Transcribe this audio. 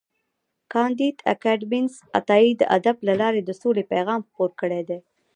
کانديد اکاډميسن عطايي د ادب له لارې د سولې پیغام خپور کړی دی.